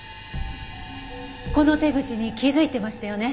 この手口に気づいてましたよね？